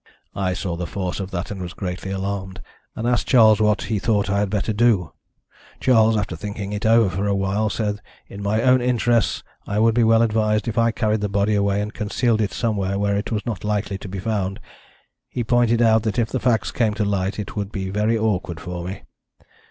"I saw the force of that and was greatly alarmed, and asked Charles what he thought I had better do. Charles, after thinking it over for a while, said in my own interests I would be well advised if I carried the body away and concealed it somewhere where it was not likely to be found. He pointed out that if the facts came to light it would be very awkward for me.